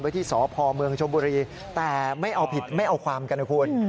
ที่สพเมืองชมบุรีแต่ไม่เอาผิดไม่เอาความกันนะคุณ